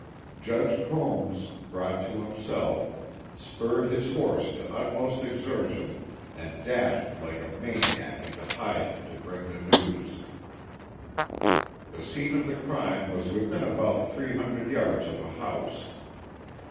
Judge Combs, brought to himself, spurred his horse to utmost exertion and dashed like a maniac into Hyden to bring the news. The scene of the crime was within about three hundred yards of a house.